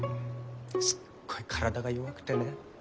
すっごい体が弱くてね。